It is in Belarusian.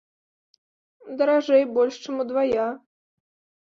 Даражэй больш чым удвая.